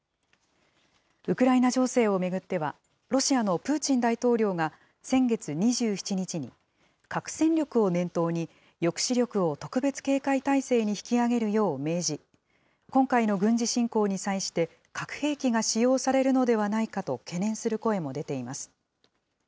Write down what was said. ウクライナ情勢を巡っては、ロシアのプーチン大統領が先月２７日に、核戦力を念頭に、抑止力を特別警戒態勢に引き上げるよう命じ、今回の軍事侵攻に際して、核兵器が使用されるのではないかと懸念する声も出ています。